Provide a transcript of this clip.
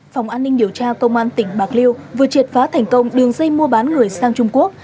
phòng an ninh điều tra công an tỉnh bạc liêu vừa triệt phá thành công đường dây mua bán người sang trung quốc